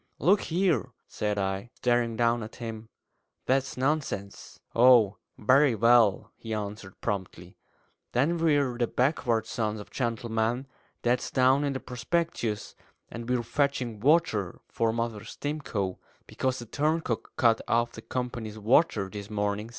"Look here," said I, staring down at him, "that's nonsense!" "Oh, very well," he answered promptly; "then we're the 'Backward Sons of Gentlemen' that's down in the prospectus and we're fetching water for Mother Stimcoe, because the turncock cut off the company's water this morning!